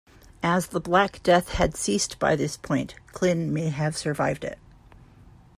As the Black Death had ceased by this point, Clyn may have survived it.